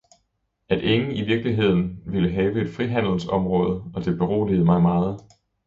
At ingen i virkeligheden ville have et frihandelsområde, og det beroligede mig meget.